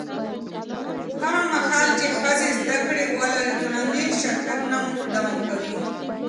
هغه مهال چې ښځې زده کړه ولري، ټولنیز شاتګ نه دوام کوي.